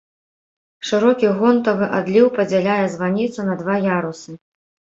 Шырокі гонтавы адліў падзяляе званіцу на два ярусы.